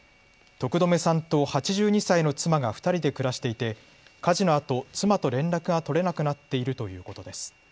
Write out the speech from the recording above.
徳留さんと８２歳の妻が２人で暮らしていて火事のあと妻と連絡が取れなくなっているということです。